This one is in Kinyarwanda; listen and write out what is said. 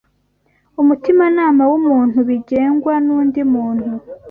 umutimanama wamuntubigengwa n’undi muntu